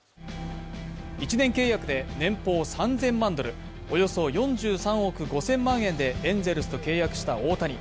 １年契約で年俸３０００万ドル、およそ４５億５０００万円でエンゼルスと契約した大谷。